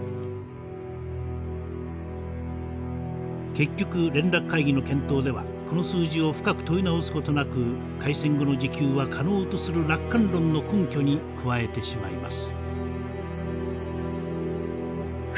結局連絡会議の検討ではこの数字を深く問い直すことなく開戦後の自給は可能とする楽観論の根拠に加えてしまいます。